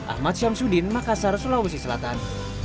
ahmad syamsuddin makassar sulawesi selatan